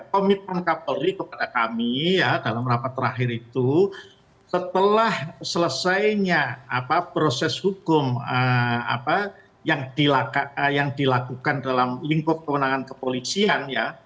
komitmen kapolri kepada kami dalam rapat terakhir itu setelah selesainya proses hukum yang dilakukan dalam lingkup kewenangan kepolisian ya